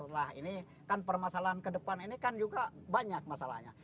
nah ini kan permasalahan ke depan ini kan juga banyak masalahnya